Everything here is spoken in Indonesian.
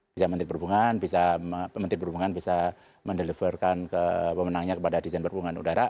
bisa menteri perhubungan menteri perhubungan bisa mendeliverkan pemenangnya kepada desain perhubungan udara